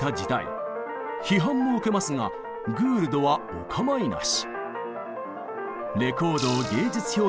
批判も受けますがグールドはお構いなし。